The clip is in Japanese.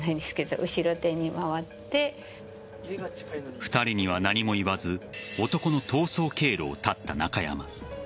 ２人には何も言わず男の逃走経路を断った中山。